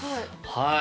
はい。